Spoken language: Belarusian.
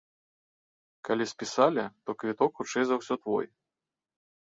Калі спісалі, то квіток хутчэй за ўсё твой.